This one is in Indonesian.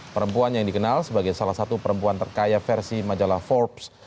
perempuan yang dikenal sebagai salah satu perempuan terkaya versi majalah forbes